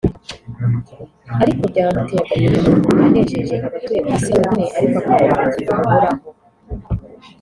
ariko byaba biteye agahinda umuntu anejeje abatuye ku isi byonyine ariko akabura ubugingo buhoraho